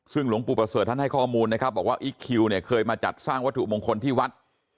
ซึ่งหลวงปู่ประเสริฐท่านให้ข้อมูลนะครับบอกว่าอิ๊กคิวเนี่ยเคยมาจัดสร้างวัตถุมงคลที่วัด